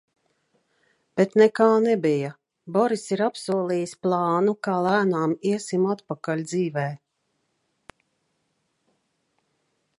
Bet nekā nebija! Boriss ir apsolījis plānu, kā lēnām iesim atpakaļ dzīvē.